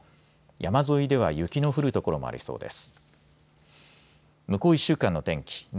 山沿いでは雪の降る所もありそうです。